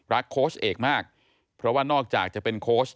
โค้ชเอกมากเพราะว่านอกจากจะเป็นโค้ช